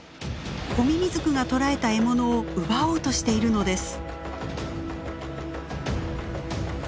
コミミズクが捕らえた獲物を奪おうとしているのです。